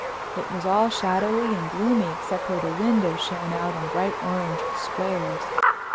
It was all shadowy and gloomy except where the windows shone out in bright orange squares.